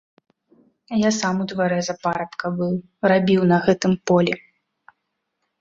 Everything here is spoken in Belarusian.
Я сам у дварэ за парабка быў, рабіў на гэтым полі.